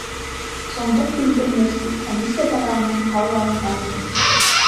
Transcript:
сомдук билдирмеси комиссия тарабынан кабыл алынган эмес.